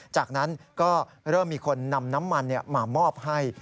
จากนั้นก็เริ่มมีคนนำน้ำมันมามอบให้